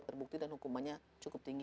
terbukti dan hukumannya cukup tinggi